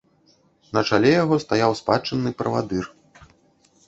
На чале яго стаяў спадчынны правадыр.